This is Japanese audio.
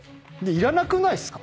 いらなくないっすか？